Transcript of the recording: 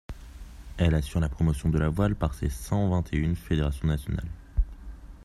Elle assure la promotion de la voile, par ses cent-vingt-et-une fédérations nationales.